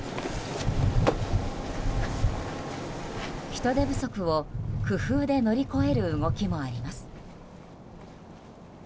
人手不足を、工夫で乗り越える動きもあります。